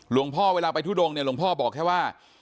หลวงพ่อเวลาไปทุดงหลวงพ่อบอกแค่ว่า